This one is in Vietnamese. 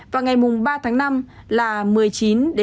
và ngày mùa ba tháng năm là một mươi chín hai mươi sáu độ c